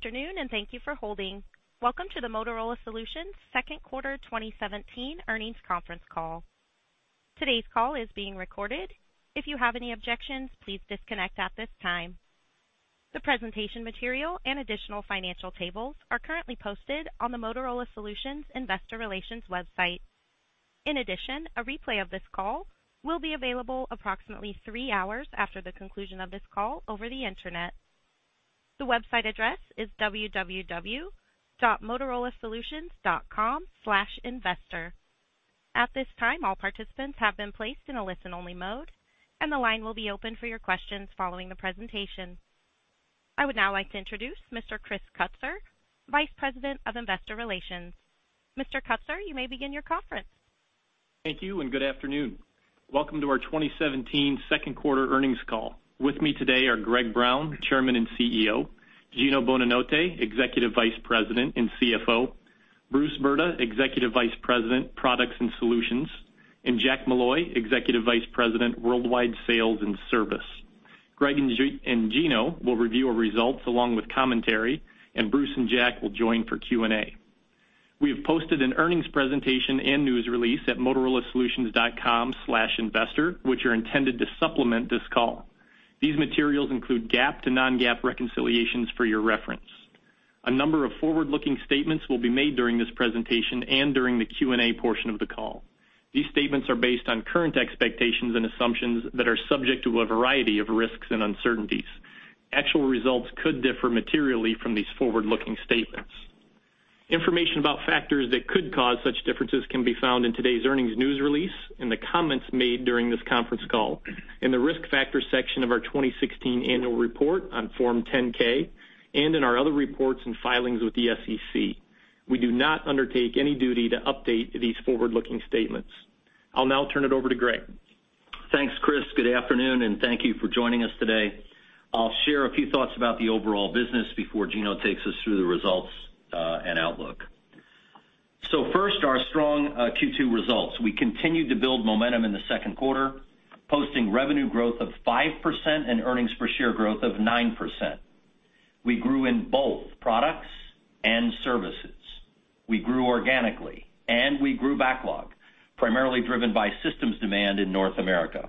Good afternoon, and thank you for holding. Welcome to the Motorola Solutions Second Quarter 2017 Earnings Conference Call. Today's call is being recorded. If you have any objections, please disconnect at this time. The presentation material and additional financial tables are currently posted on the Motorola Solutions investor relations website. In addition, a replay of this call will be available approximately three hours after the conclusion of this call over the internet. The website address is www.motorolasolutions.com/investor. At this time, all participants have been placed in a listen-only mode, and the line will be open for your questions following the presentation. I would now like to introduce Mr. Chris Kutsor, Vice President of Investor Relations. Mr. Kutsor, you may begin your conference. Thank you, and good afternoon. Welcome to our 2017 second quarter earnings call. With me today are Greg Brown, Chairman and CEO; Gino Bonanotte, Executive Vice President and CFO; Bruce Brda, Executive Vice President, Products and Solutions; and Jack Molloy, Executive Vice President, Worldwide Sales and Service. Greg and Gino will review our results along with commentary, and Bruce and Jack will join for Q&A. We have posted an earnings presentation and news release at motorolasolutions.com/investor, which are intended to supplement this call. These materials include GAAP to non-GAAP reconciliations for your reference. A number of forward-looking statements will be made during this presentation and during the Q&A portion of the call. These statements are based on current expectations and assumptions that are subject to a variety of risks and uncertainties. Actual results could differ materially from these forward-looking statements. Information about factors that could cause such differences can be found in today's earnings news release, in the comments made during this conference call, in the Risk Factors section of our 2016 annual report on Form 10-K, and in our other reports and filings with the SEC. We do not undertake any duty to update these forward-looking statements. I'll now turn it over to Greg. Thanks, Chris. Good afternoon, and thank you for joining us today. I'll share a few thoughts about the overall business before Gino takes us through the results and outlook. So first, our strong Q2 results. We continued to build momentum in the second quarter, posting revenue growth of 5% and earnings per share growth of 9%. We grew in both products and services. We grew organically, and we grew backlog, primarily driven by systems demand in North America.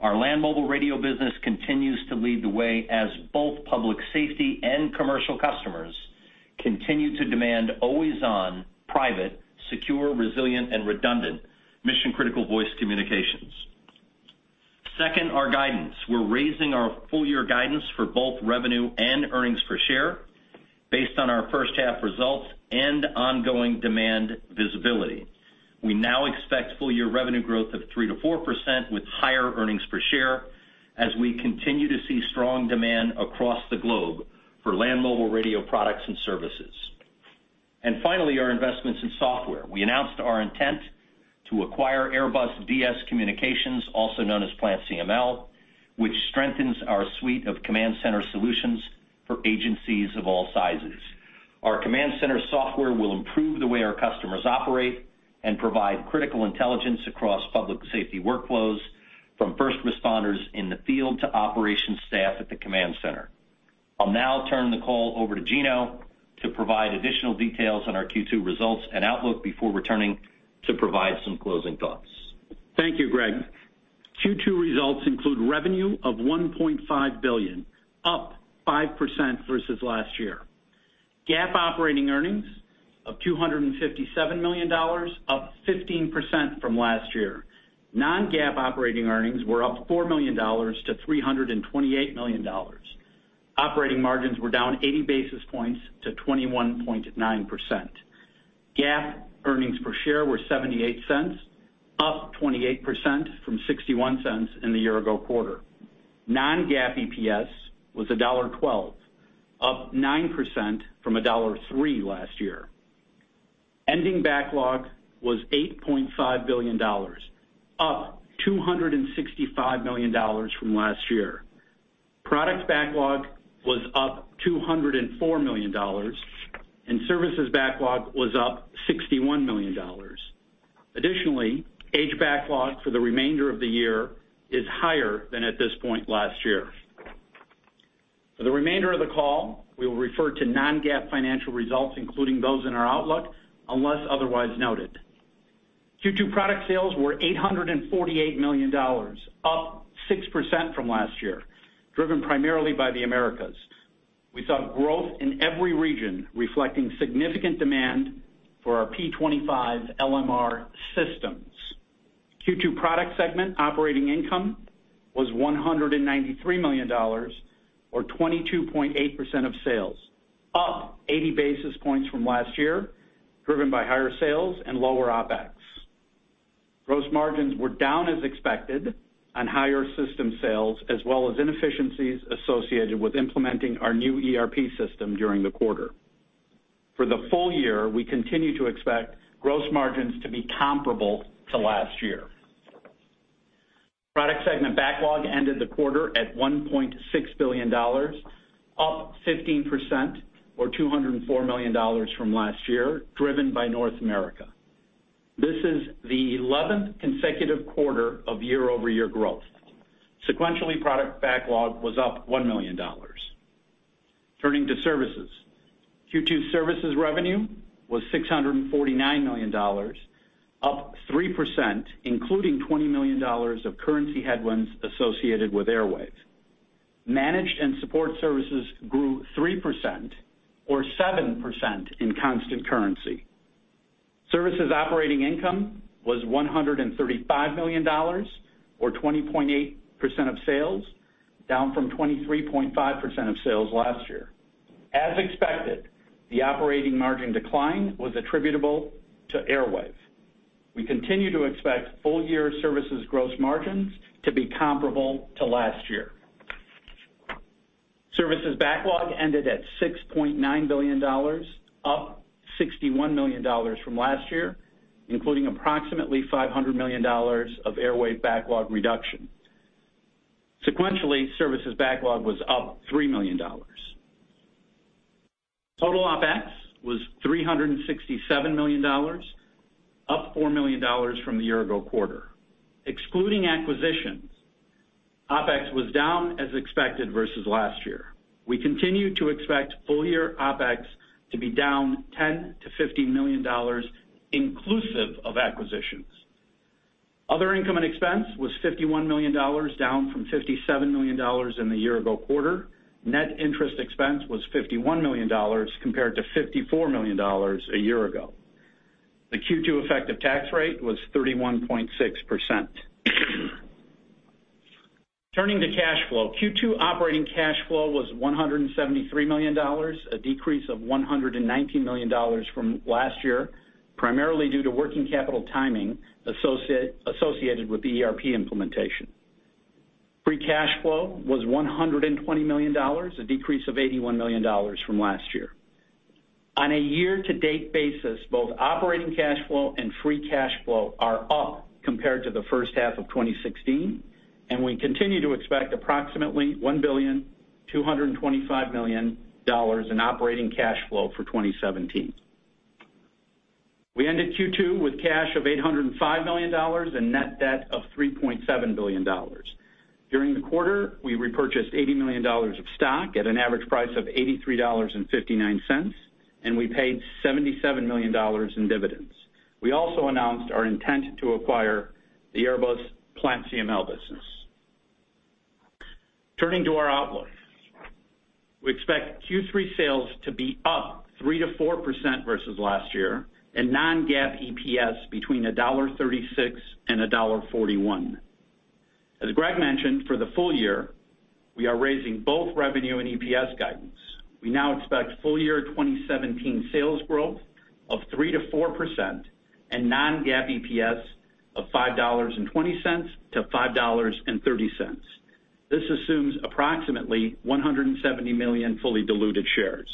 Our land mobile radio business continues to lead the way as both public safety and commercial customers continue to demand always-on, private, secure, resilient, and redundant mission-critical voice communications. Second, our guidance. We're raising our full year guidance for both revenue and earnings per share based on our first half results and ongoing demand visibility. We now expect full-year revenue growth of 3% to 4%, with higher earnings per share as we continue to see strong demand across the globe for land mobile radio products and services. Finally, our investments in software. We announced our intent to acquire Airbus DS Communications, also known as PlantCML, which strengthens our suite of command center solutions for agencies of all sizes. Our command center software will improve the way our customers operate and provide critical intelligence across public safety workflows, from first responders in the field to operations staff at the command center. I'll now turn the call over to Gino to provide additional details on our Q2 results and outlook before returning to provide some closing thoughts. Thank you, Greg. Q2 results include revenue of $1.5 billion, up 5% versus last year. GAAP operating earnings of $257 million, up 15% from last year. Non-GAAP operating earnings were up $4 million to $328 million. Operating margins were down 80 basis points to 21.9%. GAAP earnings per share were $0.78, up 28% from $0.61 in the year ago quarter. Non-GAAP EPS was $1.12, up 9% from $1.03 last year. Ending backlog was $8.5 billion, up $265 million from last year. Product backlog was up $204 million, and services backlog was up $61 million. Additionally, aged backlog for the remainder of the year is higher than at this point last year. For the remainder of the call, we will refer to non-GAAP financial results, including those in our outlook, unless otherwise noted. Q2 product sales were $848 million, up 6% from last year, driven primarily by the Americas. We saw growth in every region, reflecting significant demand for our P25 LMR systems. Q2 product segment operating income was $193 million, or 22.8% of sales, up 80 basis points from last year, driven by higher sales and lower OpEx. Gross margins were down as expected on higher system sales, as well as inefficiencies associated with implementing our new ERP system during the quarter. For the full year, we continue to expect gross margins to be comparable to last year. Product segment backlog ended the quarter at $1.6 billion, up 15%, or $204 million from last year, driven by North America. This is the 11th consecutive quarter of year-over-year growth. Sequentially, product backlog was up $1 million. Turning to services. Q2 services revenue was $649 million, up 3%, including $20 million of currency headwinds associated with Airwave. Managed and support services grew 3% or 7% in constant currency. Services operating income was $135 million or 20.8% of sales, down from 23.5% of sales last year. As expected, the operating margin decline was attributable to Airwave. We continue to expect full year services gross margins to be comparable to last year. Services backlog ended at $6.9 billion, up $61 million from last year, including approximately $500 million of Airwave backlog reduction. Sequentially, services backlog was up $3 million. Total OpEx was $367 million, up $4 million from the year ago quarter. Excluding acquisitions, OpEx was down as expected versus last year. We continue to expect full year OpEx to be down $10 million to $15 million, inclusive of acquisitions. Other income and expense was $51 million, down from $57 million in the year ago quarter. Net interest expense was $51 million, compared to $54 million a year ago. The Q2 effective tax rate was 31.6%. Turning to cash flow, Q2 operating cash flow was $173 million, a decrease of $119 million from last year, primarily due to working capital timing associated with the ERP implementation. Free cash flow was $120 million, a decrease of $81 million from last year. On a year-to-date basis, both operating cash flow and free cash flow are up compared to the first half of 2016, and we continue to expect approximately $1.225 billion in operating cash flow for 2017. We ended Q2 with cash of $805 million and net debt of $3.7 billion. During the quarter, we repurchased $80 million of stock at an average price of $83.59, and we paid $77 million in dividends. We also announced our intent to acquire the Airbus PlantCML business. Turning to our outlook. We expect Q3 sales to be up 3% to 4% versus last year, and non-GAAP EPS between $1.36 and $1.41. As Greg mentioned, for the full year, we are raising both revenue and EPS guidance. We now expect full year 2017 sales growth of 3% to 4% and non-GAAP EPS of $5.20 to $5.30. This assumes approximately 170 million fully diluted shares.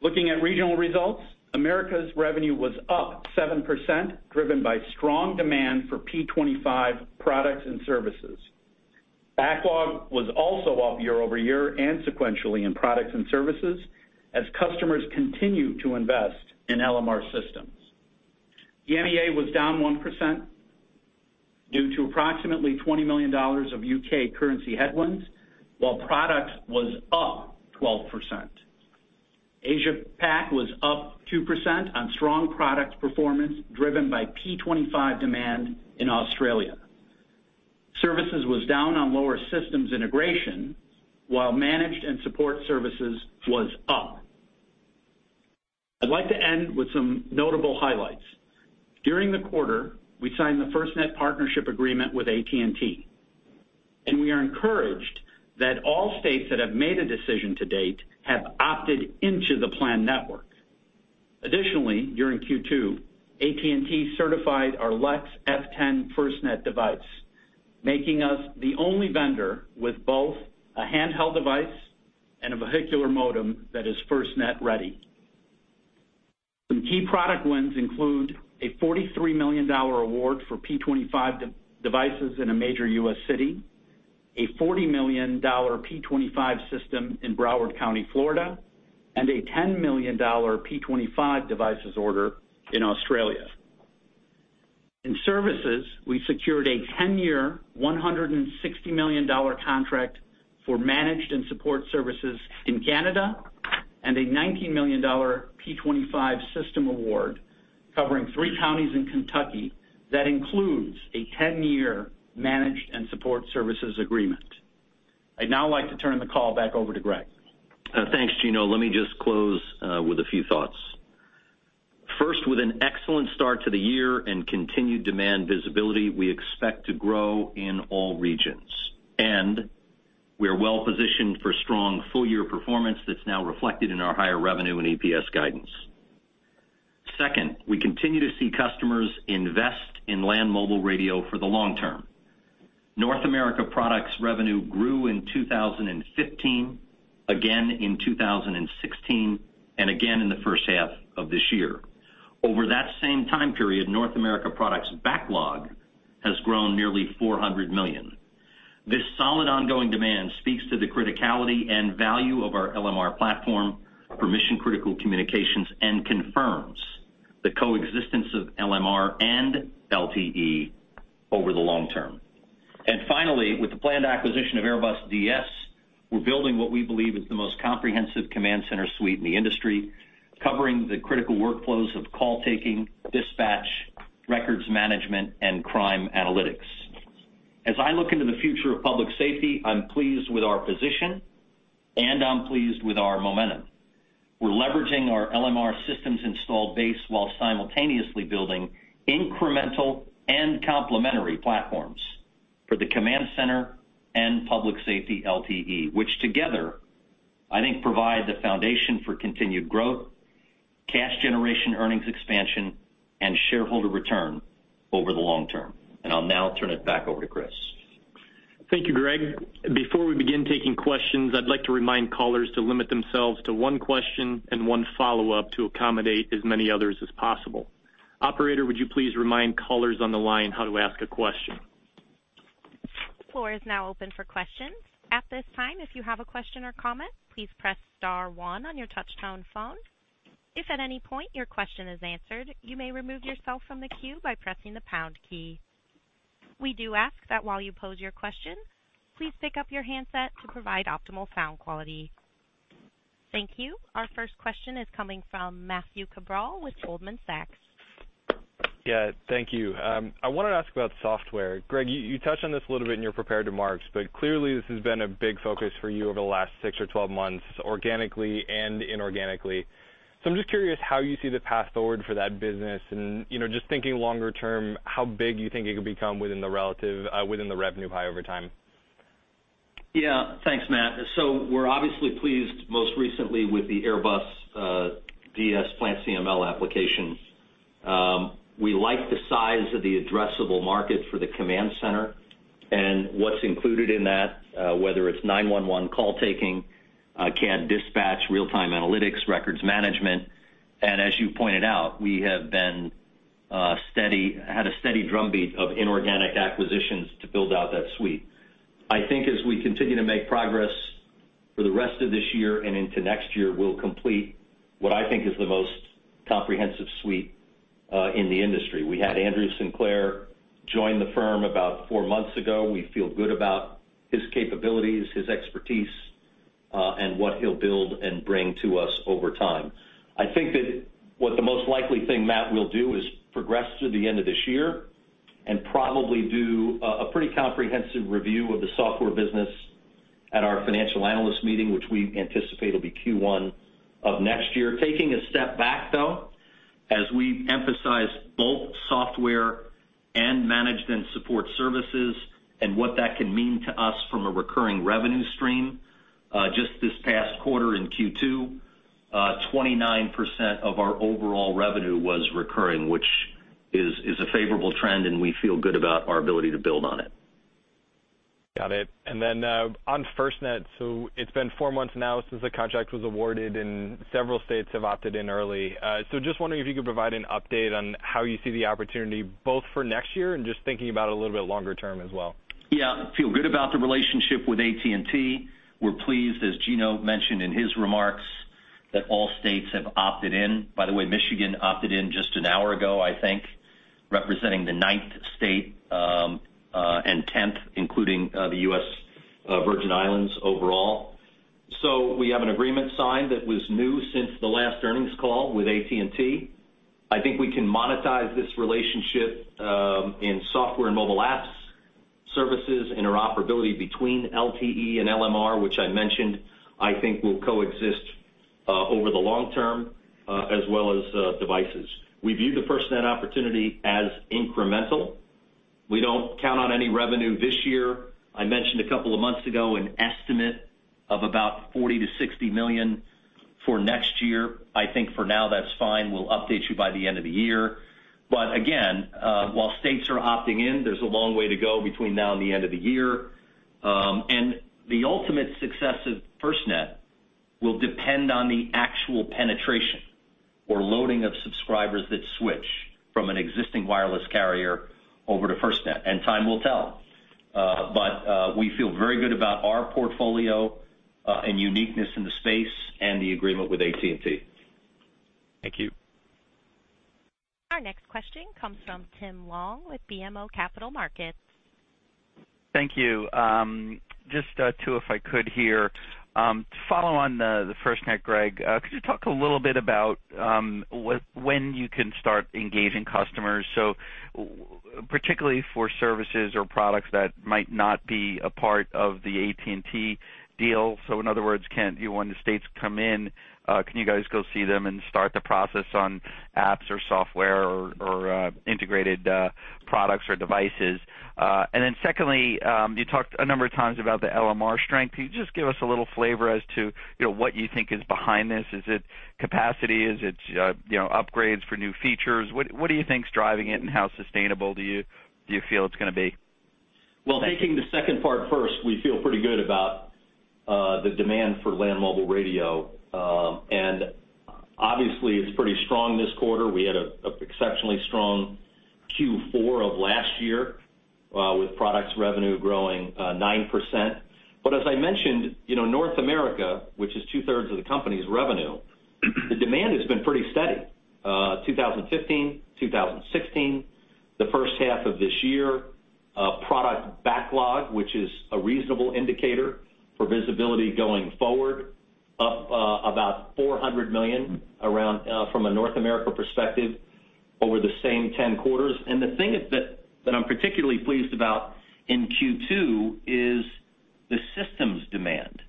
Looking at regional results, Americas revenue was up 7%, driven by strong demand for P25 products and services. Backlog was also up year-over-year and sequentially in products and services as customers continue to invest in LMR systems. EMEA was down 1% due to approximately $20 million of UK currency headwinds, while product was up 12%. Asia Pac was up 2% on strong product performance, driven by P25 demand in Australia. Services was down on lower systems integration, while managed and support services was up. I'd like to end with some notable highlights. During the quarter, we signed the FirstNet partnership agreement with AT&T, and we are encouraged that all states that have made a decision to date have opted into the FirstNet. Additionally, during Q2, AT&T certified our LEX L10 FirstNet device, making us the only vendor with both a handheld device and a vehicular modem that is FirstNet ready. Some key product wins include a $43 million award for P25 devices in a major U.S. city, a $40 million P25 system in Broward County, Florida, and a $10 million P25 devices order in Australia. In services, we secured a 10-year, $160 million contract for managed and support services in Canada, and a $90 million P25 system award covering three counties in Kentucky, that includes a 10-year managed and support services agreement. I'd now like to turn the call back over to Greg. Thanks, Gino. Let me just close with a few thoughts. First, with an excellent start to the year and continued demand visibility, we expect to grow in all regions, and we are well positioned for strong full-year performance that's now reflected in our higher revenue and EPS guidance. Second, we continue to see customers invest in land mobile radio for the long term. North America products revenue grew in 2015, again in 2016, and again in the first half of this year. Over that same time period, North America products backlog has grown nearly $400 million. This solid ongoing demand speaks to the criticality and value of our LMR platform for mission-critical communications, and confirms the coexistence of LMR and LTE over the long term. And finally, with the planned acquisition of Airbus DS, we're building what we believe is the most comprehensive command center suite in the industry, covering the critical workflows of call taking, dispatch, records management, and crime analytics. As I look into the future of public safety, I'm pleased with our position, and I'm pleased with our momentum. We're leveraging our LMR systems installed base while simultaneously building incremental and complementary platforms for the command center and public safety LTE, which together, I think, provide the foundation for continued growth, cash generation, earnings expansion, and shareholder return over the long term. And I'll now turn it back over to Chris. Thank you, Greg. Before we begin taking questions, I'd like to remind callers to limit themselves to one question and one follow-up to accommodate as many others as possible. Operator, would you please remind callers on the line how to ask a question? The floor is now open for questions. At this time, if you have a question or comment, please press star one on your touchtone phone. If at any point your question is answered, you may remove yourself from the queue by pressing the pound key. We do ask that while you pose your question, please pick up your handset to provide optimal sound quality. Thank you. Our first question is coming from Matthew Cabral with Goldman Sachs. Yeah, thank you. I wanted to ask about software. Greg, you, you touched on this a little bit in your prepared remarks, but clearly, this has been a big focus for you over the last 6 or 12 months, organically and inorganically. So I'm just curious how you see the path forward for that business, and, you know, just thinking longer term, how big you think it could become within the relative, within the revenue pie over time? Yeah. Thanks, Matt. So we're obviously pleased, most recently with the Airbus DS PlantCML application. We like the size of the addressable market for the command center and what's included in that, whether it's 911 call taking, CAD dispatch, real-time analytics, records management. And as you pointed out, we have had a steady drumbeat of inorganic acquisitions to build out that suite. I think, as we continue to make progress for the rest of this year and into next year, we'll complete what I think is the most comprehensive suite in the industry. We had Andrew Sinclair join the firm about four months ago. We feel good about his capabilities, his expertise, and what he'll build and bring to us over time. I think that what the most likely thing Matt will do is progress through the end of this year and probably do a pretty comprehensive review of the software business at our financial analyst meeting, which we anticipate will be Q1 of next year. Taking a step back, though, as we emphasize both software and managed and support services and what that can mean to us from a recurring revenue stream, just this past quarter in Q2, 29% of our overall revenue was recurring, which is a favorable trend, and we feel good about our ability to build on it. Got it. And then, on FirstNet, so it's been four months now since the contract was awarded, and several states have opted in early. So just wondering if you could provide an update on how you see the opportunity, both for next year and just thinking about it a little bit longer term as well. Yeah. Feel good about the relationship with AT&T. We're pleased, as Gino mentioned in his remarks, that all states have opted in. By the way, Michigan opted in just an hour ago, I think, representing the ninth state, and tenth, including the U.S. Virgin Islands overall. So we have an agreement signed that was new since the last earnings call with AT&T. I think we can monetize this relationship in software and mobile apps, services, interoperability between LTE and LMR, which I mentioned, I think will coexist over the long term, as well as devices. We view the FirstNet opportunity as incremental. We don't count on any revenue this year. I mentioned a couple of months ago an estimate of about $40 million to $60 million for next year. I think for now, that's fine. We'll update you by the end of the year. But again, while states are opting in, there's a long way to go between now and the end of the year. And the ultimate success of FirstNet will depend on the actual penetration or loading of subscribers that switch from an existing wireless carrier over to FirstNet, and time will tell. But, we feel very good about our portfolio, and uniqueness in the space and the agreement with AT&T. Thank you. Our next question comes from Tim Long with BMO Capital Markets. Thank you. Just two, if I could here. To follow on the FirstNet, Greg, could you talk a little bit about when you can start engaging customers, so particularly for services or products that might not be a part of the AT&T deal? So in other words, can, when the states come in, can you guys go see them and start the process on apps or software or integrated products or devices? And then secondly, you talked a number of times about the LMR strength. Can you just give us a little flavor as to, you know, what you think is behind this? Is it capacity? Is it, you know, upgrades for new features? What do you think is driving it, and how sustainable do you feel it's going to be? Well, taking the second part first, we feel pretty good about the demand for land mobile radio, and obviously, it's pretty strong this quarter. We had a exceptionally strong Q4 of last year, with products revenue growing nine percent. But as I mentioned, you know, North America, which is two-thirds of the company's revenue, the demand has been pretty steady. 2015, 2016, the first half of this year, product backlog, which is a reasonable indicator for visibility going forward, up about $400 million around from a North America perspective over the same 10 quarters. And the thing is that, that I'm particularly pleased about in Q2 is the systems demand.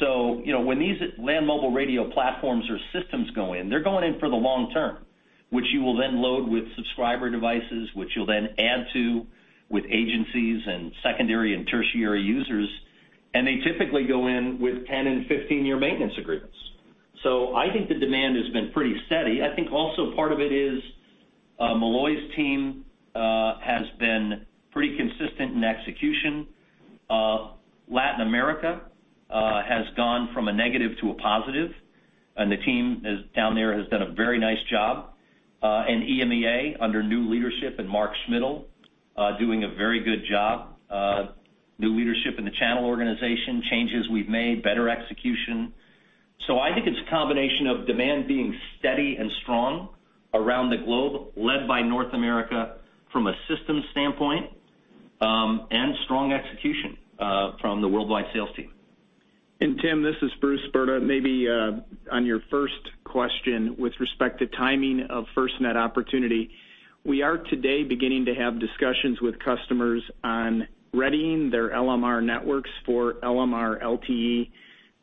So, you know, when these land mobile radio platforms or systems go in, they're going in for the long term, which you will then load with subscriber devices, which you'll then add to with agencies and secondary and tertiary users, and they typically go in with 10 and 15-year maintenance agreements. So I think the demand has been pretty steady. I think also part of it is, Molloy's team, has been pretty consistent in execution. Latin America has gone from a negative to a positive, and the team is, down there, has done a very nice job. And EMEA, under new leadership in Mark Schmidl, doing a very good job. New leadership in the channel organization, changes we've made, better execution. I think it's a combination of demand being steady and strong around the globe, led by North America from a systems standpoint, and strong execution from the worldwide sales team. And Tim, this is Bruce Brda. Maybe, on your first question with respect to timing of FirstNet opportunity, we are today beginning to have discussions with customers on readying their LMR networks for LMR LTE,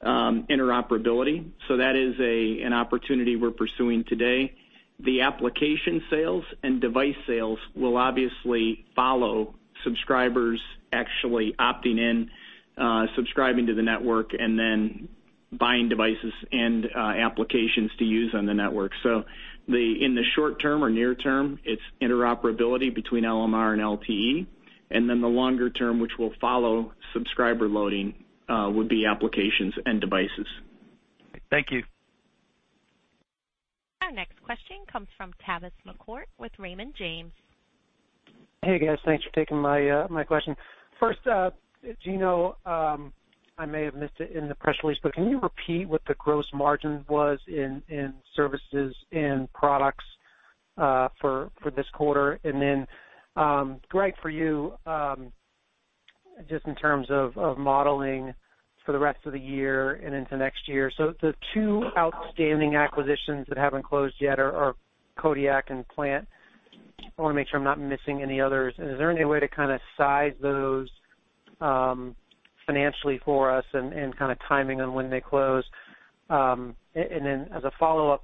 interoperability, so that is a, an opportunity we're pursuing today. The application sales and device sales will obviously follow subscribers actually opting in, subscribing to the network and then buying devices and, applications to use on the network. So, in the short term or near term, it's interoperability between LMR and LTE, and then the longer term, which will follow subscriber loading, would be applications and devices. Thank you. Our next question comes from Tavis McCourt with Raymond James. Hey, guys. Thanks for taking my question. First, Gino, I may have missed it in the press release, but can you repeat what the gross margin was in services and products for this quarter? And then, Greg, for you, just in terms of modeling for the rest of the year and into next year. So the two outstanding acquisitions that haven't closed yet are Kodiak and Plant. I want to make sure I'm not missing any others. Is there any way to kind of size those financially for us and kind of timing on when they close? And then as a follow-up,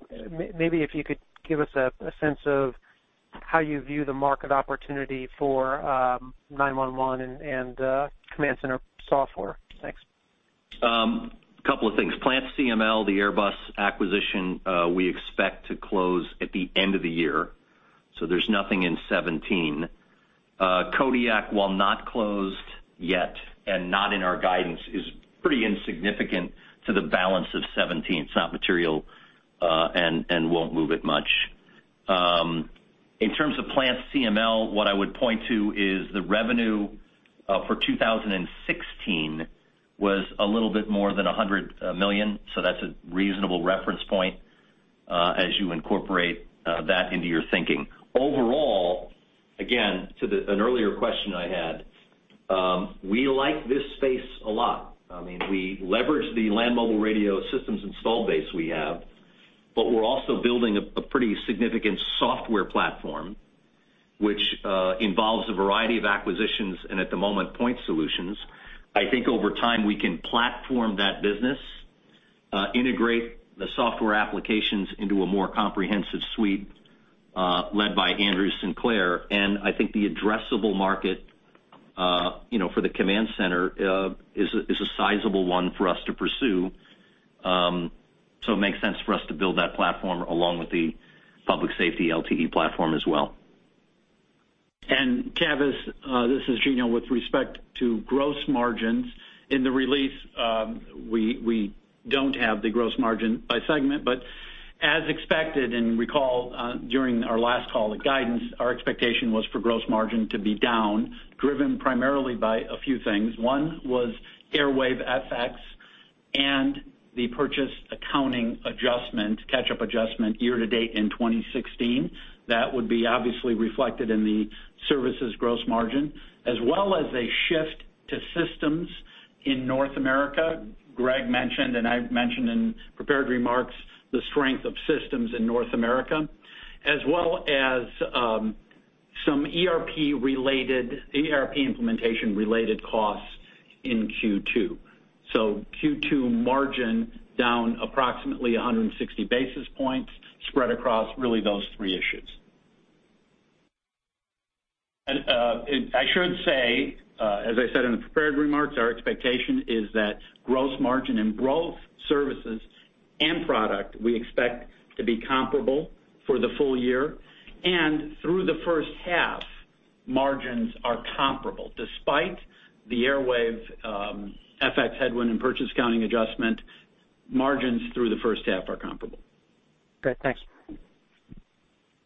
maybe if you could give us a sense of how you view the market opportunity for 911 and command center software. Thanks. Couple of things. PlantCML, the Airbus acquisition, we expect to close at the end of the year, so there's nothing in 2017. Kodiak, while not closed yet and not in our guidance, is pretty insignificant to the balance of 2017. It's not material, and won't move it much. In terms of PlantCML, what I would point to is the revenue for 2016 was a little bit more than $100 million, so that's a reasonable reference point as you incorporate that into your thinking. Overall, again, to an earlier question I had, we like this space a lot. I mean, we leverage the land mobile radio systems install base we have, but we're also building a pretty significant software platform, which involves a variety of acquisitions, and at the moment, point solutions. I think over time, we can platform that business, integrate the software applications into a more comprehensive suite, led by Andrew Sinclair, and I think the addressable market, you know, for the command center, is a sizable one for us to pursue. So it makes sense for us to build that platform along with the public safety LTE platform as well. And Tavis, this is Gino. With respect to gross margins, in the release, we, we don't have the gross margin by segment, but as expected, and recall, during our last call, the guidance, our expectation was for gross margin to be down, driven primarily by a few things. One was Airwave FX and the purchase accounting adjustment, catch-up adjustment, year to date in 2016. That would be obviously reflected in the services gross margin, as well as a shift to systems in North America. Greg mentioned, and I've mentioned in prepared remarks, the strength of systems in North America, as well as, some ERP-related, ERP implementation-related costs in Q2. So Q2 margin down approximately 160 basis points, spread across really those three issues. And I should say, as I said in the prepared remarks, our expectation is that gross margin and growth, services and product, we expect to be comparable for the full year. And through the first half, margins are comparable. Despite the Airwave FX headwind and purchase accounting adjustment, margins through the first half are comparable. Great, thanks.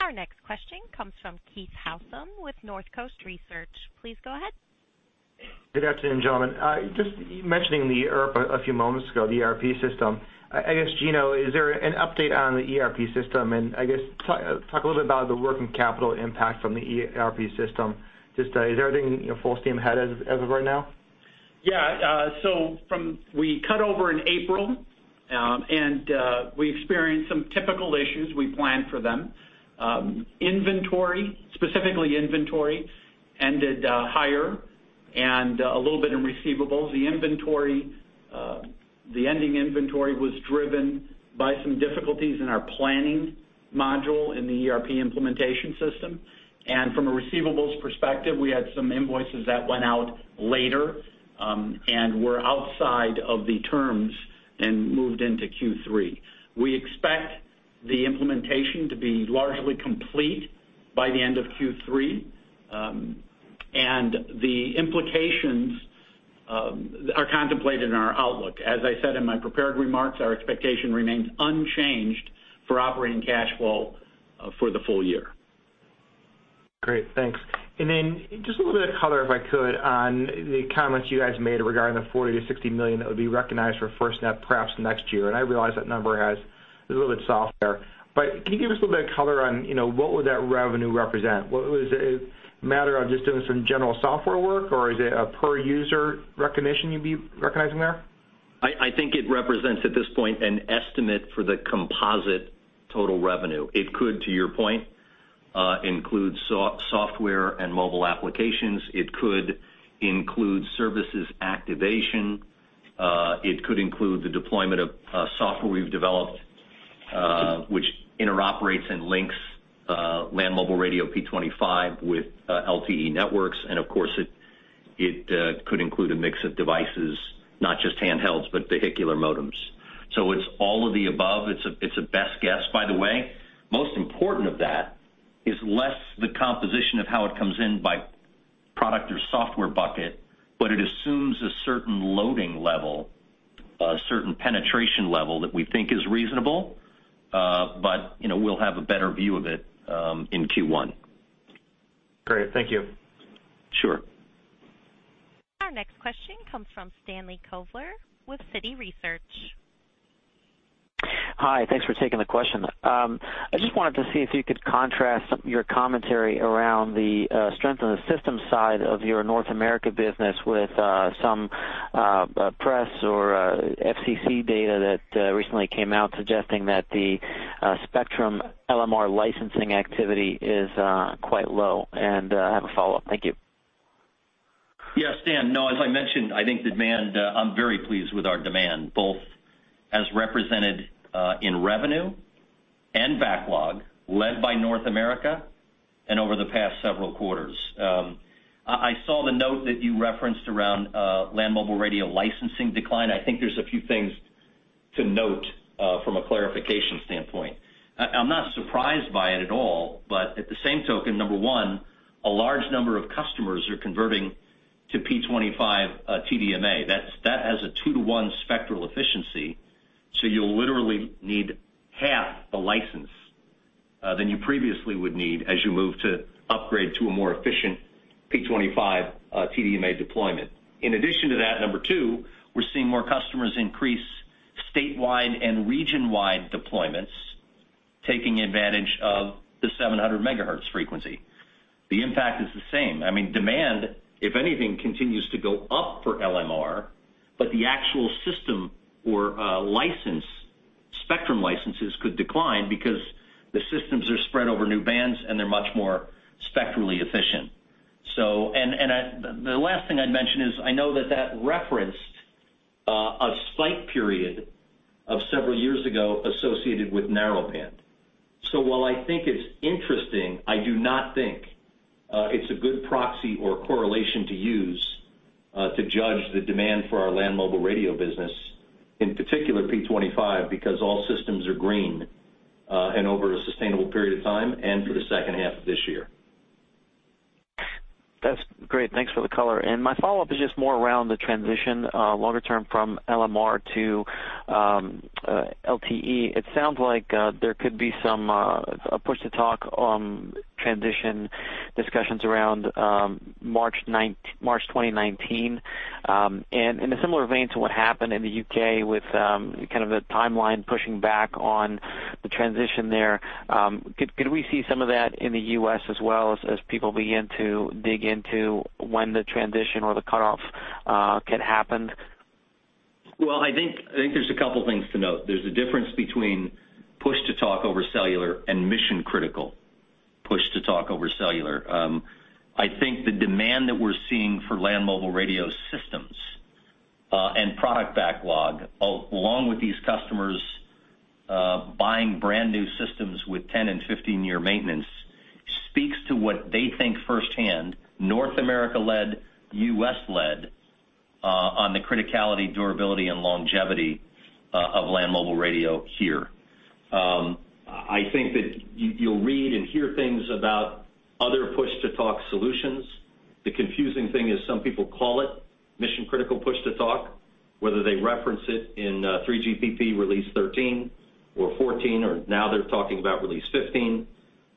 Our next question comes from Keith Housum with North Coast Research. Please go ahead. Good afternoon, gentlemen. Just mentioning the ERP a few moments ago, the ERP system. I guess, Gino, is there an update on the ERP system? And I guess, talk a little bit about the working capital impact from the ERP system. Just, is everything, you know, full steam ahead as of right now? Yeah, so we cut over in April, and we experienced some typical issues. We planned for them. Inventory, specifically inventory, ended higher and a little bit in receivables. The inventory, the ending inventory was driven by some difficulties in our planning module in the ERP implementation system. From a receivables perspective, we had some invoices that went out later, and were outside of the terms and moved into Q3. We expect the implementation to be largely complete by the end of Q3, and the implications are contemplated in our outlook. As I said in my prepared remarks, our expectation remains unchanged for operating cash flow for the full year. Great, thanks. Then just a little bit of color, if I could, on the comments you guys made regarding the $40 million to $60 million that would be recognized for FirstNet, perhaps next year. And I realize that number has a little bit softer, but can you give us a little bit of color on, you know, what would that revenue represent? What, was it a matter of just doing some general software work, or is it a per user recognition you'd be recognizing there? I think it represents, at this point, an estimate for the composite total revenue. It could, to your point, include software and mobile applications. It could include services activation. It could include the deployment of software we've developed, which interoperates and links land mobile radio P25 with LTE networks. And of course, it could include a mix of devices, not just handhelds, but vehicular modems. So it's all of the above. It's a best guess, by the way. Most important of that is less the composition of how it comes in by product or software bucket, but it assumes a certain loading level, a certain penetration level that we think is reasonable. But you know, we'll have a better view of it in Q1. Great. Thank you. Sure. Our next question comes from Stanley Kovler with Citi Research. Hi, thanks for taking the question. I just wanted to see if you could contrast your commentary around the strength on the system side of your North America business with some press or FCC data that recently came out, suggesting that the spectrum LMR licensing activity is quite low. And I have a follow-up. Thank you. Yes, Stan. No, as I mentioned, I think demand, I'm very pleased with our demand, both as represented, in revenue and backlog, led by North America and over the past several quarters. I, I saw the note that you referenced around, land mobile radio licensing decline. I think there's a few things to note, from a clarification standpoint. I, I'm not surprised by it at all, but at the same token, number one, a large number of customers are converting to P25, TDMA. That has a two to one spectral efficiency, so you'll literally need half the license, than you previously would need as you move to upgrade to a more efficient P25, TDMA deployment. In addition to that, number two, we're seeing more customers increase statewide and region-wide deployments, taking advantage of the 700 megahertz frequency. The impact is the same. I mean, demand, if anything, continues to go up for LMR, but the actual system or license, spectrum licenses could decline because the systems are spread over new bands, and they're much more spectrally efficient. So... And the last thing I'd mention is, I know that that referenced a spike period of several years ago associated with narrowband. So while I think it's interesting, I do not think it's a good proxy or correlation to use to judge the demand for our land mobile radio business, in particular, P25, because all systems are green and over a sustainable period of time and for the second half of this year. That's great. Thanks for the color. And my follow-up is just more around the transition, longer term from LMR to LTE. It sounds like there could be some a push-to-talk on transition discussions around March 2019. And in a similar vein to what happened in the U.K. with kind of the timeline pushing back on the transition there, could we see some of that in the U.S. as well, as people begin to dig into when the transition or the cut-off can happen? Well, I think there's a couple things to note. There's a difference between push-to-talk over cellular and mission-critical push-to-talk over cellular. I think the demand that we're seeing for land mobile radio systems and product backlog, along with these customers buying brand-new systems with 10 and 15-year maintenance, speaks to what they think firsthand, North America-led, U.S.-led... on the criticality, durability and longevity of land mobile radio here. I think that you, you'll read and hear things about other push-to-talk solutions. The confusing thing is some people call it mission-critical push-to-talk, whether they reference it in 3GPP Release 13 or 14, or now they're talking about Release 15.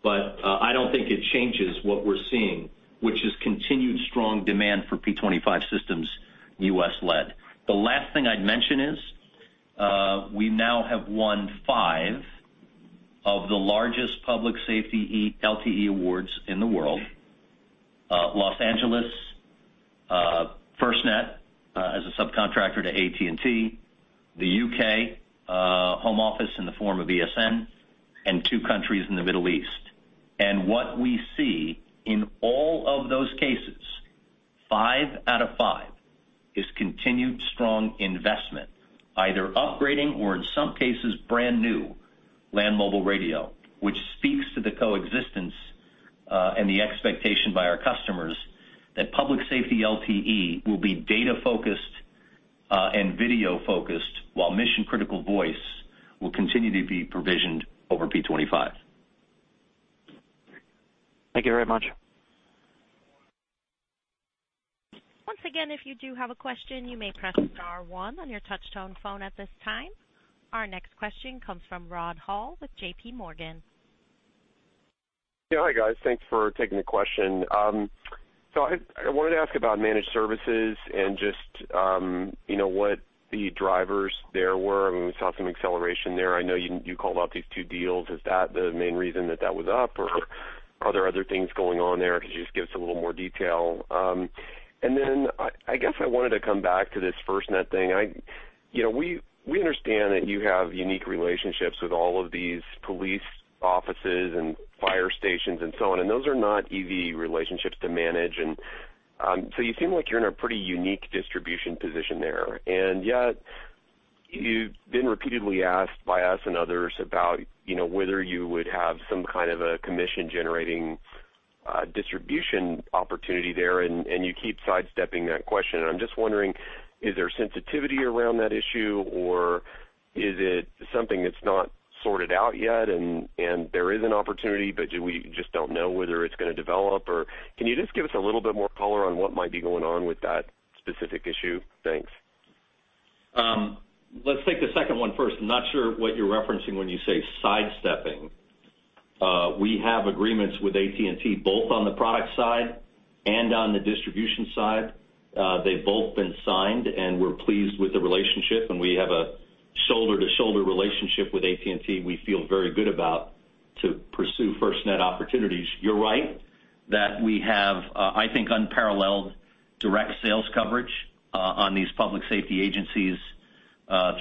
But, I don't think it changes what we're seeing, which is continued strong demand for P25 systems, U.S.-led. The last thing I'd mention is, we now have won five of the largest public safety LTE awards in the world. Los Angeles, FirstNet, as a subcontractor to AT&T, the UK, Home Office in the form of ESN, and two countries in the Middle East. And what we see in all of those cases, five out of five, is continued strong investment, either upgrading or in some cases, brand new land mobile radio, which speaks to the coexistence, and the expectation by our customers that public safety LTE will be data-focused, and video-focused, while mission-critical voice will continue to be provisioned over P25. Thank you very much. Once again, if you do have a question, you may press star one on your touchtone phone at this time. Our next question comes from Rod Hall with JP Morgan. Yeah. Hi, guys. Thanks for taking the question. So I wanted to ask about managed services and just, you know, what the drivers there were. I mean, we saw some acceleration there. I know you called out these two deals. Is that the main reason that that was up, or are there other things going on there? Could you just give us a little more detail? And then, I guess I wanted to come back to this FirstNet thing. You know, we understand that you have unique relationships with all of these police offices and fire stations and so on, and those are not easy relationships to manage, and so you seem like you're in a pretty unique distribution position there. And yet, you've been repeatedly asked by us and others about, you know, whether you would have some kind of a commission-generating, distribution opportunity there, and, and you keep sidestepping that question. I'm just wondering, is there sensitivity around that issue, or is it something that's not sorted out yet and, and there is an opportunity, but do we just don't know whether it's gonna develop? Or can you just give us a little bit more color on what might be going on with that specific issue? Thanks. Let's take the second one first. I'm not sure what you're referencing when you say sidestepping. We have agreements with AT&T, both on the product side and on the distribution side. They've both been signed, and we're pleased with the relationship, and we have a shoulder-to-shoulder relationship with AT&T we feel very good about to pursue FirstNet opportunities. You're right, that we have, I think, unparalleled direct sales coverage, on these public safety agencies,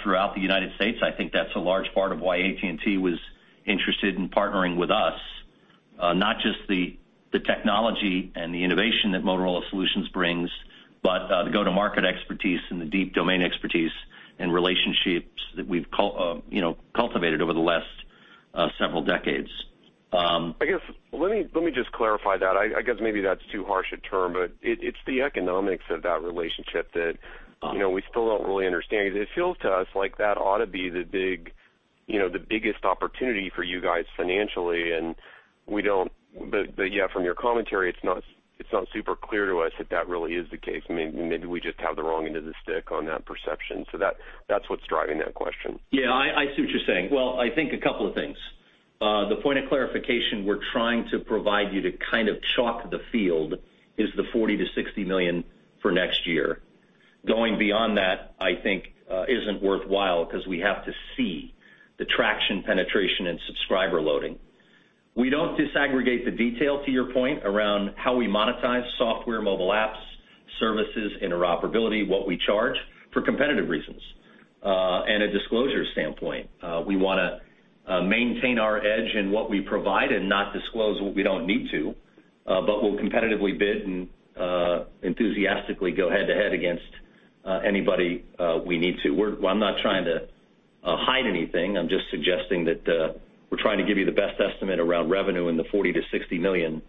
throughout the United States. I think that's a large part of why AT&T was interested in partnering with us. Not just the technology and the innovation that Motorola Solutions brings, but the go-to-market expertise and the deep domain expertise and relationships that we've, you know, cultivated over the last several decades. I guess, let me just clarify that. I guess maybe that's too harsh a term, but it's the economics of that relationship that- Uh-huh ... you know, we still don't really understand. It feels to us like that ought to be the big, you know, the biggest opportunity for you guys financially, and we don't, but, but yeah, from your commentary, it's not, it's not super clear to us that that really is the case. Maybe, maybe we just have the wrong end of the stick on that perception. So that, that's what's driving that question. Yeah, I, I see what you're saying. Well, I think a couple of things. The point of clarification we're trying to provide you to kind of chalk the field is the $40 million to $60 million for next year. Going beyond that, I think, isn't worthwhile because we have to see the traction, penetration and subscriber loading. We don't disaggregate the detail, to your point, around how we monetize software, mobile apps, services, interoperability, what we charge for competitive reasons, and a disclosure standpoint. We wanna, maintain our edge in what we provide and not disclose what we don't need to, but we'll competitively bid and, enthusiastically go head-to-head against, anybody, we need to. We're—I'm not trying to, hide anything. I'm just suggesting that, we're trying to give you the best estimate around revenue in the $40 million to $60 million,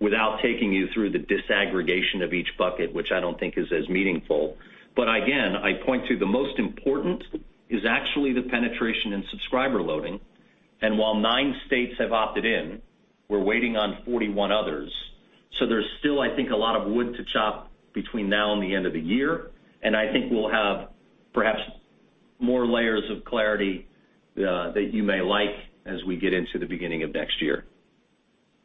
without taking you through the disaggregation of each bucket, which I don't think is as meaningful. But again, I'd point to the most important is actually the penetration and subscriber loading, and while nine states have opted in, we're waiting on 41 others. So there's still, I think, a lot of wood to chop between now and the end of the year, and I think we'll have perhaps more layers of clarity, that you may like as we get into the beginning of next year.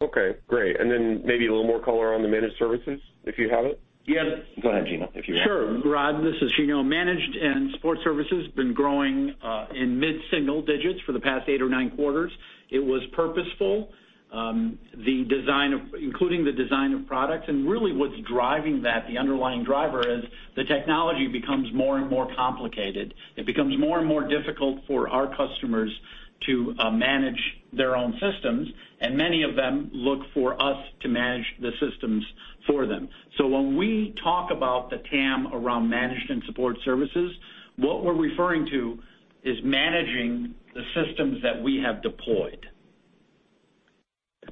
Okay, great. And then maybe a little more color on the managed services, if you have it? Yeah. Go ahead, Gino, if you want. Sure, Rod, this is Gino. Managed and support services have been growing in mid-single digits for the past 8 or 9 quarters. It was purposeful, the design of including the design of products, and really what's driving that, the underlying driver, is the technology becomes more and more complicated. It becomes more and more difficult for our customers to manage their own systems, and many of them look for us to manage the systems for them. So when we talk about the TAM around management support services, what we're referring to is managing the systems that we have deployed.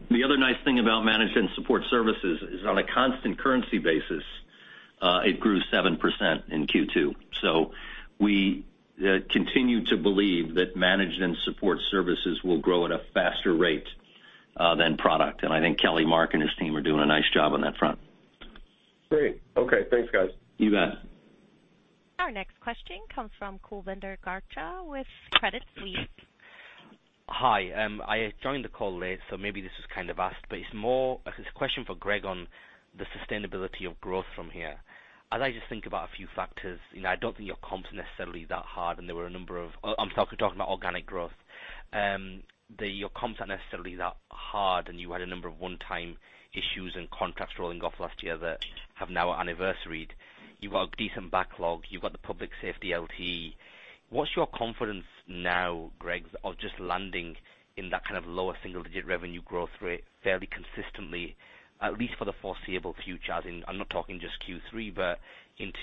...The other nice thing about managed and support services is on a constant currency basis, it grew 7% in Q2. So we continue to believe that managed and support services will grow at a faster rate than product. And I think Kelly Mark and his team are doing a nice job on that front. Great. Okay, thanks, guys. You bet. Our next question comes from Kulbinder Garcha with Credit Suisse. Hi, I joined the call late, so maybe this was kind of asked, but it's a question for Greg on the sustainability of growth from here. As I just think about a few factors, you know, I don't think your comps necessarily that hard, and there were a number of, I'm talking about organic growth. Your comps aren't necessarily that hard, and you had a number of one-time issues and contracts rolling off last year that have now anniversaried. You've got a decent backlog, you've got the public safety LTE. What's your confidence now, Greg, of just landing in that kind of lower single digit revenue growth rate fairly consistently, at least for the foreseeable future? As in, I'm not talking just Q3, but into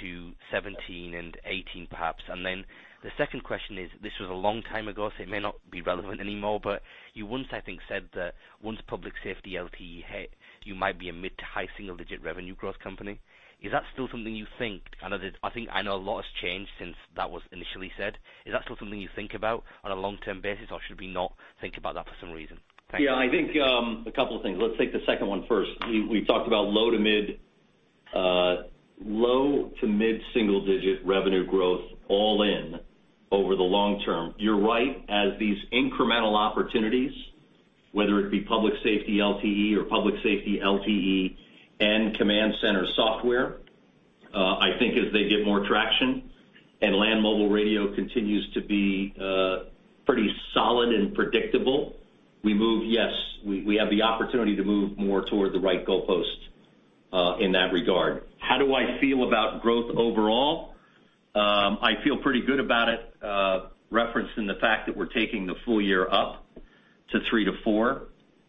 2017 and 2018, perhaps. And then the second question is, this was a long time ago, so it may not be relevant anymore, but you once, I think, said that once public safety LTE hit, you might be a mid- to high-single-digit revenue growth company. Is that still something you think? Kind of, I think, I know a lot has changed since that was initially said. Is that still something you think about on a long-term basis, or should we not think about that for some reason? Thank you. Yeah, I think, a couple of things. Let's take the second one first. We talked about low to mid, low to mid single digit revenue growth all in over the long term. You're right, as these incremental opportunities, whether it be public safety LTE or public safety LTE and command center software, I think as they get more traction and land mobile radio continues to be, pretty solid and predictable, we have the opportunity to move more toward the right goalpost, in that regard. How do I feel about growth overall? I feel pretty good about it, referenced in the fact that we're taking the full year up to three to four.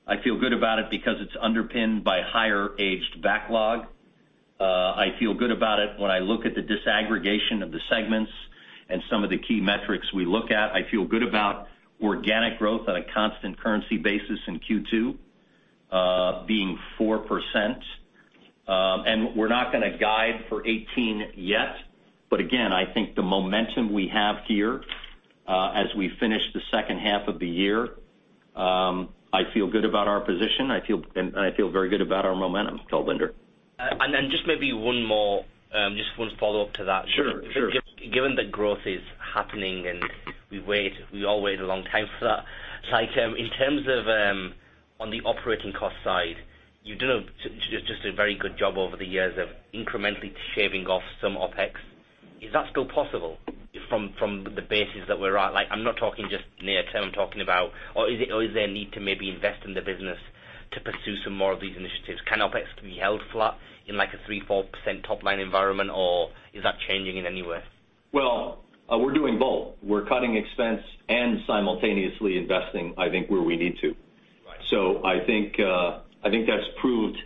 I feel good about it because it's underpinned by higher aged backlog. I feel good about it when I look at the disaggregation of the segments and some of the key metrics we look at. I feel good about organic growth on a constant currency basis in Q2, being 4%. And we're not going to guide for 2018 yet, but again, I think the momentum we have here, as we finish the second half of the year, I feel good about our position, I feel, and, and I feel very good about our momentum, Kulbinder. And then just maybe one more, just one follow-up to that. Sure, sure. Given that growth is happening and we wait, we all wait a long time for that item. In terms of on the operating cost side, you've done just a very good job over the years of incrementally shaving off some OpEx. Is that still possible from the basis that we're at? Like, I'm not talking just near term, I'm talking about, or is it or is there a need to maybe invest in the business to pursue some more of these initiatives? Can OpEx be held flat in, like, a 3% to 4% top line environment, or is that changing in any way? Well, we're doing both. We're cutting expense and simultaneously investing, I think, where we need to. Right. So I think, I think that's proved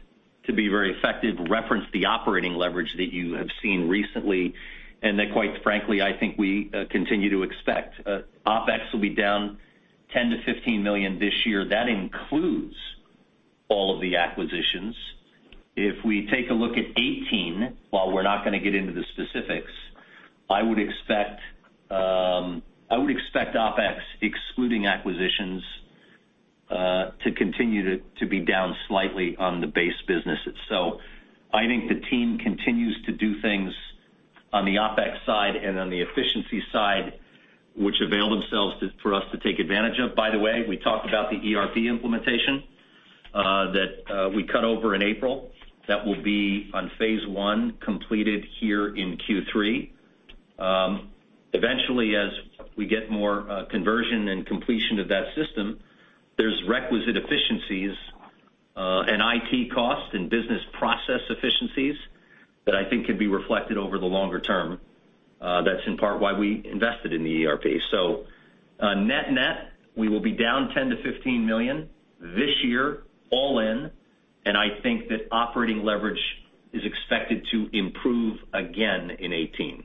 to be very effective, reference the operating leverage that you have seen recently, and that, quite frankly, I think we, continue to expect. OpEx will be down $10 million to $15 million this year. That includes all of the acquisitions. If we take a look at 2018, while we're not going to get into the specifics, I would expect, I would expect OpEx, excluding acquisitions, to continue to, to be down slightly on the base business itself. I think the team continues to do things on the OpEx side and on the efficiency side, which avail themselves to, for us to take advantage of. By the way, we talked about the ERP implementation, that, we cut over in April. That will be on phase one, completed here in Q3. Eventually, as we get more conversion and completion of that system, there's requisite efficiencies and IT costs and business process efficiencies that I think can be reflected over the longer term. That's in part why we invested in the ERP. So, net-net, we will be down $10 million to $15 million this year, all in, and I think that operating leverage is expected to improve again in 2018.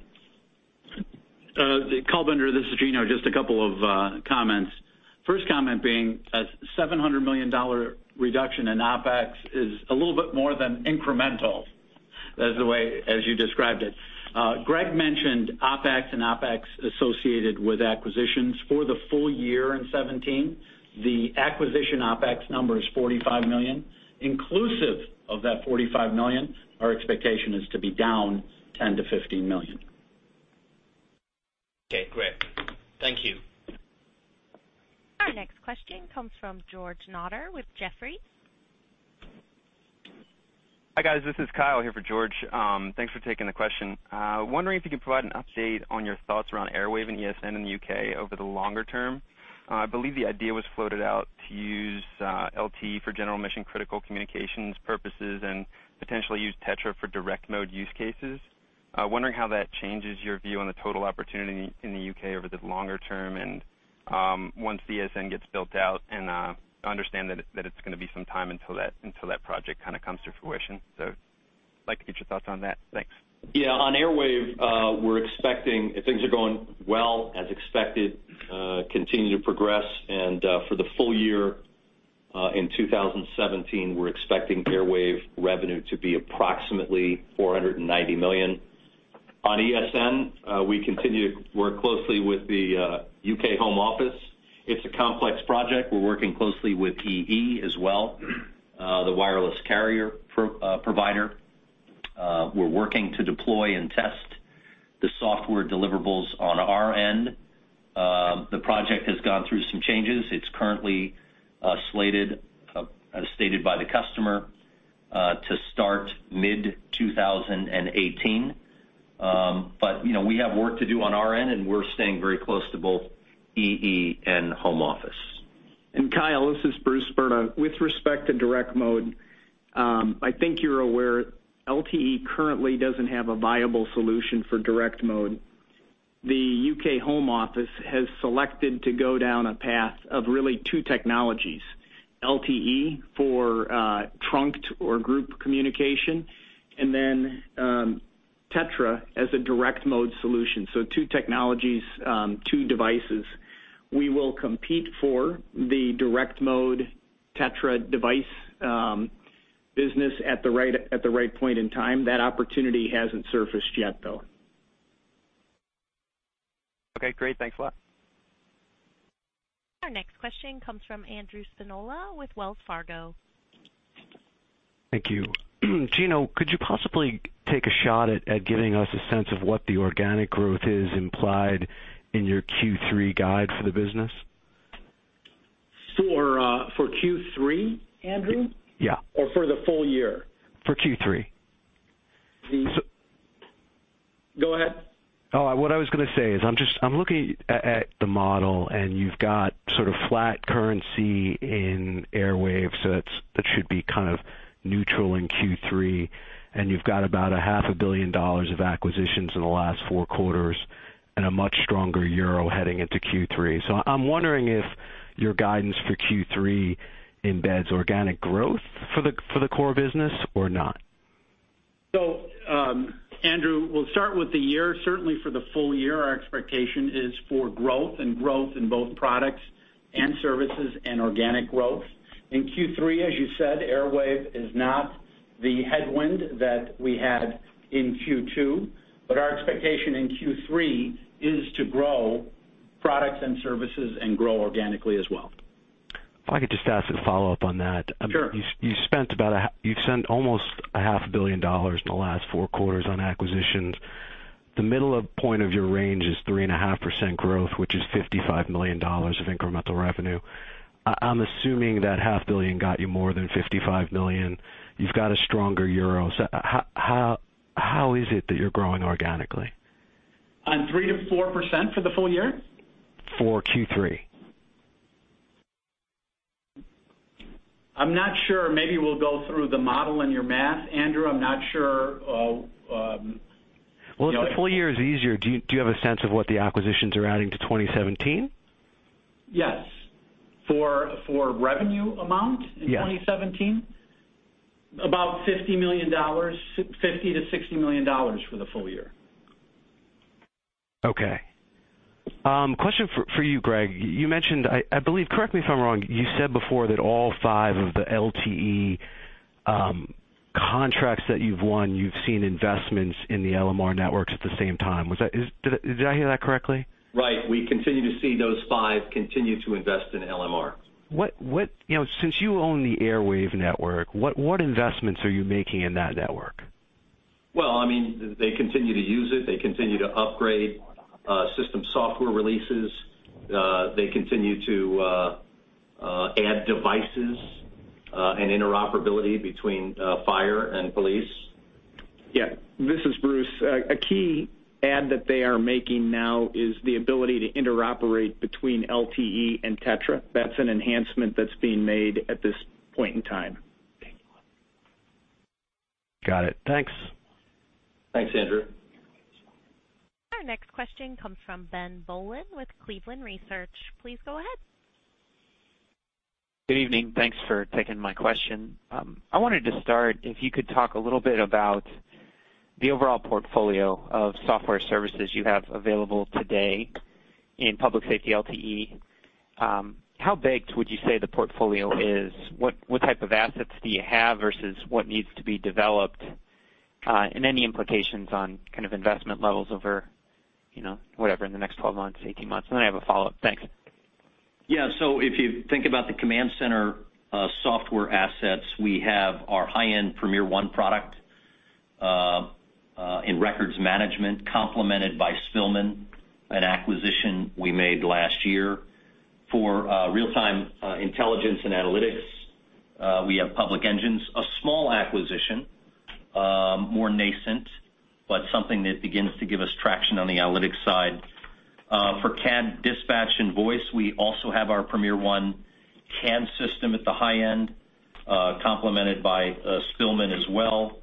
Kulbinder, this is Gino. Just a couple of comments. First comment being a $700 million reduction in OpEx is a little bit more than incremental, as the way, as you described it. Greg mentioned OpEx and OpEx associated with acquisitions. For the full year in 2017, the acquisition OpEx number is $45 million. Inclusive of that $45 million, our expectation is to be down $10 million to $15 million. Okay, great. Thank you. Our next question comes from George Notter with Jefferies. Hi, guys. This is Kyle here for George. Thanks for taking the question. Wondering if you could provide an update on your thoughts around Airwave and ESN in the UK over the longer term. I believe the idea was floated out to use LTE for general mission-critical communications purposes and potentially use TETRA for direct mode use cases. Wondering how that changes your view on the total opportunity in the UK over the longer term, and once the ESN gets built out, and I understand that it's going to be some time until that project kind of comes to fruition. So- I'd like to get your thoughts on that. Thanks. Yeah, on Airwave, we're expecting, things are going well, as expected, continuing to progress. And, for the full year, in 2017, we're expecting Airwave revenue to be approximately $490 million. On ESN, we continue to work closely with the UK Home Office. It's a complex project. We're working closely with EE as well, the wireless carrier provider. We're working to deploy and test the software deliverables on our end. The project has gone through some changes. It's currently slated, as stated by the customer, to start mid-2018. But, you know, we have work to do on our end, and we're staying very close to both EE and Home Office. Kyle, this is Bruce Brda. With respect to direct mode, I think you're aware, LTE currently doesn't have a viable solution for direct mode. The UK Home Office has selected to go down a path of really two technologies, LTE for trunked or group communication, and then TETRA as a direct mode solution. So two technologies, two devices. We will compete for the direct mode TETRA device business at the right point in time. That opportunity hasn't surfaced yet, though. Okay, great. Thanks a lot. Our next question comes from Andrew Spinola with Wells Fargo. Thank you. Gino, could you possibly take a shot at giving us a sense of what the organic growth is implied in your Q3 guide for the business? For Q3, Andrew? Yeah. Or for the full year? For Q3. Go ahead. Oh, what I was going to say is I'm looking at the model, and you've got sort of flat currency in Airwave, so that should be kind of neutral in Q3. And you've got about $500 million of acquisitions in the last four quarters and a much stronger euro heading into Q3. So I'm wondering if your guidance for Q3 embeds organic growth for the core business or not? So, Andrew, we'll start with the year. Certainly, for the full year, our expectation is for growth and growth in both products and services and organic growth. In Q3, as you said, Airwave is not the headwind that we had in Q2, but our expectation in Q3 is to grow products and services and grow organically as well. If I could just ask a follow-up on that. Sure. You've spent almost $500 million in the last four quarters on acquisitions. The midpoint of your range is 3.5% growth, which is $55 million of incremental revenue. I'm assuming that $500 million got you more than $55 million. You've got a stronger euro. So how is it that you're growing organically? On 3%-4% for the full year? For Q3. I'm not sure. Maybe we'll go through the model and your math, Andrew. I'm not sure. Well, if the full year is easier, do you, do you have a sense of what the acquisitions are adding to 2017? Yes. For revenue amount? Yeah in 2017? About $50 million, $50 million to $60 million for the full year. Okay. Question for you, Greg. You mentioned, I believe, correct me if I'm wrong, you said before that all five of the LTE contracts that you've won, you've seen investments in the LMR networks at the same time. Was that, is, did I hear that correctly? Right. We continue to see those five continue to invest in LMR. What... You know, since you own the Airwave network, what investments are you making in that network? Well, I mean, they continue to use it. They continue to upgrade system software releases. They continue to add devices and interoperability between fire and police. Yeah, this is Bruce. A key add that they are making now is the ability to interoperate between LTE and TETRA. That's an enhancement that's being made at this point in time. Got it. Thanks. Thanks, Andrew. Our next question comes from Ben Bollin with Cleveland Research. Please go ahead. Good evening. Thanks for taking my question. I wanted to start, if you could talk a little bit about the overall portfolio of software services you have available today in public safety LTE. How big would you say the portfolio is? What type of assets do you have versus what needs to be developed, and any implications on kind of investment levels over, you know, whatever, in the next 12 months, 18 months? And then I have a follow-up. Thanks. Yeah. So if you think about the command center software assets, we have our high-end PremierOne product in records management, complemented by Spillman, an acquisition we made last year. For real-time intelligence and analytics, we have PublicEngines, a small acquisition, more nascent, but something that begins to give us traction on the analytics side. For CAD, dispatch, and voice, we also have our PremierOne CAD system at the high end, complemented by Spillman as well,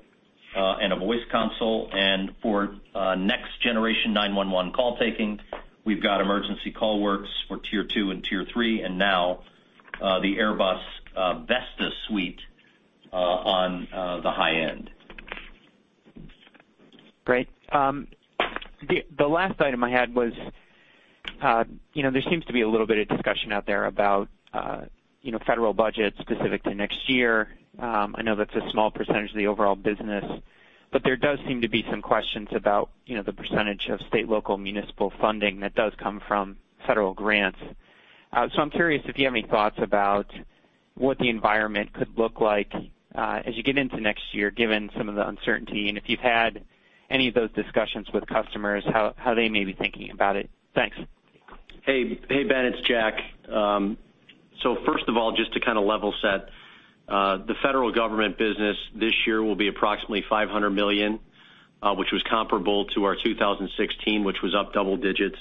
and a voice console. And for Next Generation 9-1-1 call taking, we've got Emergency CallWorks for tier two and tier three, and now. The Airbus VESTA suite on the high end. Great. The last item I had was, you know, there seems to be a little bit of discussion out there about, you know, federal budget, specific to next year. I know that's a small percentage of the overall business, but there does seem to be some questions about, you know, the percentage of state, local, municipal funding that does come from federal grants. So I'm curious if you have any thoughts about what the environment could look like, as you get into next year, given some of the uncertainty, and if you've had any of those discussions with customers, how they may be thinking about it? Thanks. Hey, hey, Ben, it's Jack. So first of all, just to kind of level set, the federal government business this year will be approximately $500 million, which was comparable to our 2016, which was up double digits.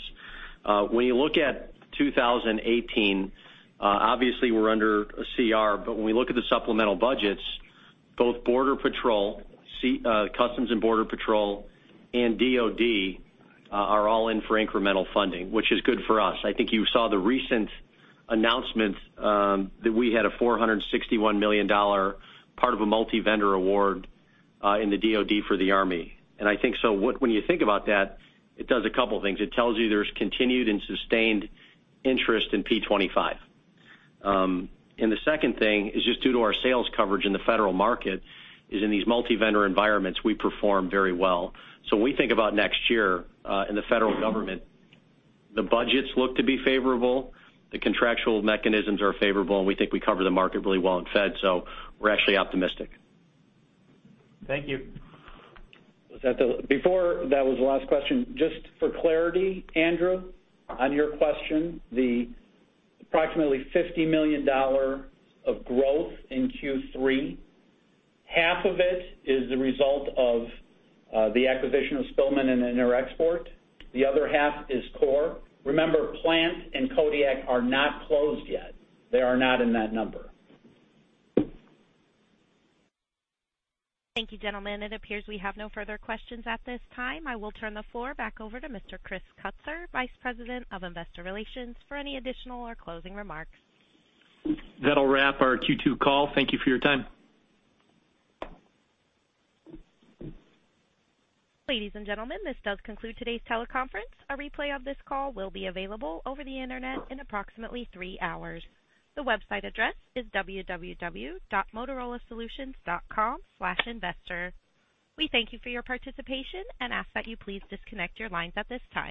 When you look at 2018, obviously we're under a CR, but when we look at the supplemental budgets, both Border Patrol, Customs and Border Patrol, and DoD are all in for incremental funding, which is good for us. I think you saw the recent announcement that we had a $461 million, part of a multi-vendor award, in the DoD for the Army. And I think so when you think about that, it does a couple things. It tells you there's continued and sustained interest in P25. And the second thing is just due to our sales coverage in the federal market, is in these multi-vendor environments, we perform very well. So when we think about next year, in the federal government, the budgets look to be favorable, the contractual mechanisms are favorable, and we think we cover the market really well in fed, so we're actually optimistic. Thank you. Was that the... Before that was the last question, just for clarity, Andrew, on your question, the approximately $50 million of growth in Q3, half of it is the result of the acquisition of Spillman and Interexport. The other half is core. Remember, Plant and Kodiak are not closed yet. They are not in that number. Thank you, gentlemen. It appears we have no further questions at this time. I will turn the floor back over to Mr. Chris Kutsor, Vice President of Investor Relations, for any additional or closing remarks. That'll wrap our Q2 call. Thank you for your time. Ladies and gentlemen, this does conclude today's teleconference. A replay of this call will be available over the Internet in approximately three hours. The website address is www.motorolasolutions.com/investor. We thank you for your participation and ask that you please disconnect your lines at this time.